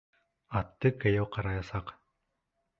Атты кейәү ҡараясаҡ.